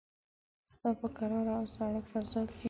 ستا په کراره او ساړه فضاکې